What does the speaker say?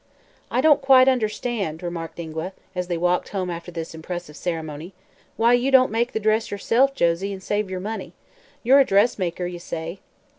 "I don't quite understan'," remarked Ingua, as they walked home after this impressive ceremony, "why you don't make the dress yourself, Josie, an' save yer money. You're a dressmaker, ye say."